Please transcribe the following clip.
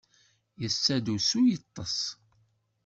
Yessa-d usu yeṭṭes.